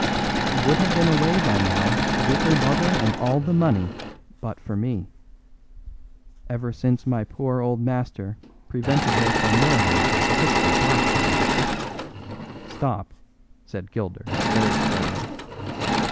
She would have been away by now with her lover and all the money but for me. Ever since my poor old master prevented her from marrying that tipsy blackguard " "Stop," said Gilder very sternly.